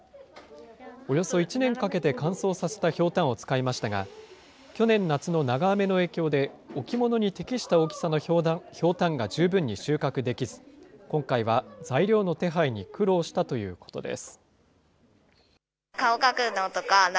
およそ１年かけて乾燥させたひょうたんを使いましたが、去年夏の長雨の影響で、置物に適した大きさのひょうたんが十分に収穫できず、今回は材料の手配に苦労したということです。